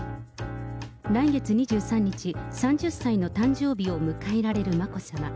来月２３日、３０歳の誕生日を迎えられる眞子さま。